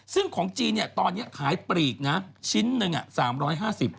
ซึ่งของจีนเนี่ยตอนนี้ขายปลีกนะชิ้นหนึ่ง๓๕๐บาท